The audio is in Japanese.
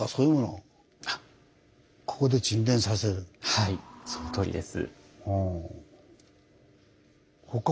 はいそのとおりです。